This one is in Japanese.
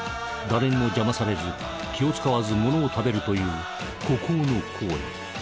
誰にも邪魔されず気を遣わずものを食べるという孤高の行為。